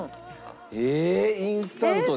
えっインスタントで？